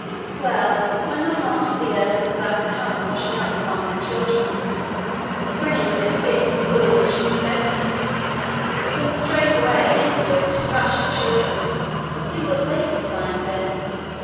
Well, when the heart of the earth has thus come rushing up among her children, bringing with it gifts of all that she possesses, then straightway into it rush her children to see what they can find there.